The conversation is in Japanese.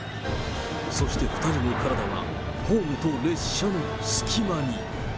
そして２人の体はホームと列車の隙間に。